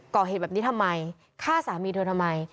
ก่อเหตุแบบนี้ทำไมฆ่าสามีเธอทำไม